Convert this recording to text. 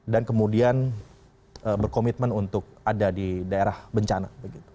dan kemudian berkomitmen untuk ada di daerah bencana